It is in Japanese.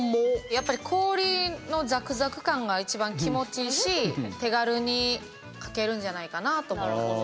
やっぱり氷のザクザク感が一番気持ちいいし手軽に、かけるんじゃないかなと思います。